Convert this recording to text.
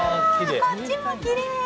こっちもきれい！